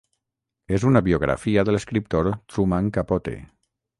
És una biografia de l'escriptor Truman Capote.